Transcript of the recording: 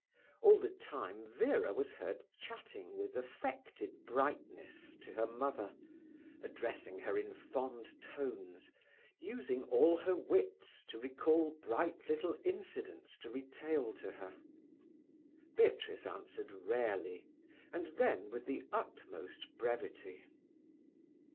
All the time Vera was heard chatting with affected brightness to her mother, addressing her in fond tones, using all her wits to recall bright little incidents to retail to her. Beatrice answered rarely, and then with utmost brevity.